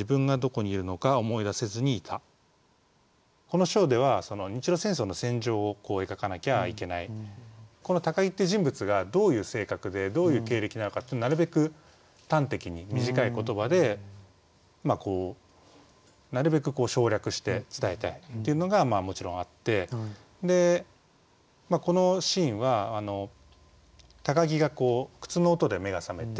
ご紹介頂くのは日露戦争の戦場にいる高木という兵士を描いた一節この章ではこの高木っていう人物がどういう性格でどういう経歴なのかってなるべく端的に短い言葉でなるべく省略して伝えたいっていうのがもちろんあってこのシーンは高木が靴の音で目が覚めて